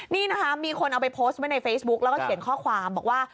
นี่นะคะมีคนเอาไปโพสต์ไว้ในเฟซบุ๊กแล้วก็เขียนข้อความบอกว่า